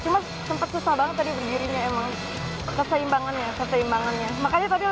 cuma sempat susah banget tadi berdirinya emang keseimbangannya